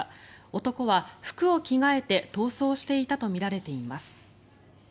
男は服を着替えて逃走していたとみられています。